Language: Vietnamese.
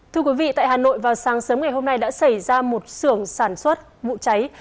thưa quý vị tại hà nội vào sáng sớm ngày hôm nay đã xảy ra một sưởng sản xuất vụ cháy